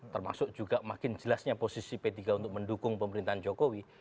termasuk juga makin jelasnya posisi p tiga untuk mendukung pemerintahan jokowi